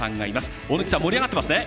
オオヌキさん盛り上がっていますね。